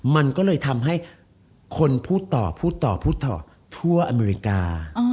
มันก็เลยทำให้คนพูดต่อพูดต่อพูดต่อทั่วอเมริกา